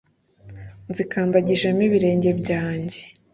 nzikandagijemo ibirenge byanjye.